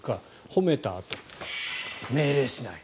褒めたあと命令しない。